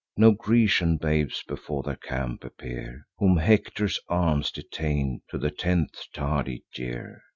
No Grecian babes before their camp appear, Whom Hector's arms detain'd to the tenth tardy year.